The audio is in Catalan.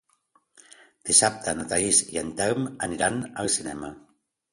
Dissabte na Thaís i en Telm aniran al cinema.